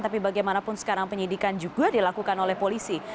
tapi bagaimanapun sekarang penyidikan juga dilakukan oleh polisi